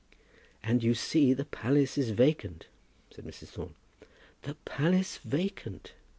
"And you see the palace is vacant," said Mrs. Thorne. "The palace vacant!"